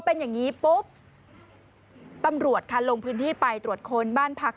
เป็นอย่างนี้ปุ๊บตำรวจค่ะลงพื้นที่ไปตรวจค้นบ้านพัก